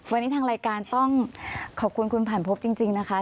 วันนี้ทางรายการต้องขอบคุณคุณผ่านพบจริงนะคะ